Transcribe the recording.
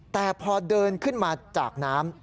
แต่พอเดินขึ้นมาจากน้ำ